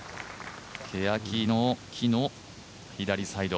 けやきの木の左サイド。